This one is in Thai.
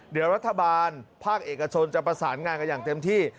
เดี๋ยวรัฐบาลภาคเอกชนจะประสานงานกันอย่างเต็มที่